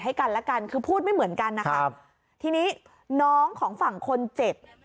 กันและกันคือพูดไม่เหมือนกันนะคะครับทีนี้น้องของฝั่งคนเจ็บ